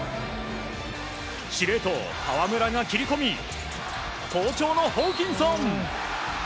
司令塔・河村が切り込み好調のホーキンソン！